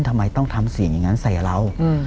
ทำไมต้องทำเสียงอย่างนั้นใส่เรา